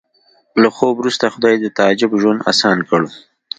له خوب وروسته خدای د تعجب ژوند اسان کړ